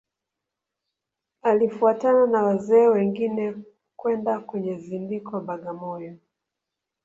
Alifuatana na wazee wengine kwenda kwenye zindiko Bagamoyo